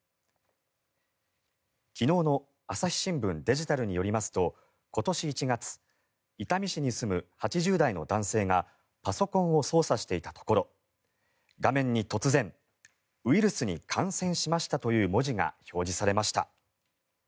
昨日の朝日新聞デジタルによりますと今年１月伊丹市に住む８０代の男性がパソコンを操作していたところ画面に突然「ウイルスに感染しました」という文字が表示されました。